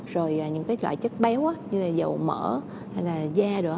rồi những loại chất béo như là dầu mỡ hay là da